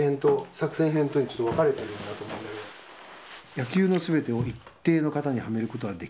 「野球の総てを一定の型にはめる事は出来ない」。